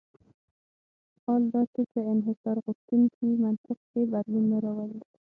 حال دا چې په انحصارغوښتونکي منطق کې بدلون نه راولي.